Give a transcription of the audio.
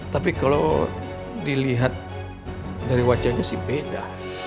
tapi kalau dilihat dari wajahnya sih beda